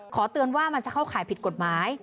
เตือนว่ามันจะเข้าข่ายผิดกฎหมาย